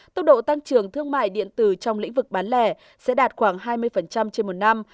tốc độ tăng trưởng thương mại điện tử trong lĩnh vực bán lẻ sẽ đạt khoảng hai mươi trên một năm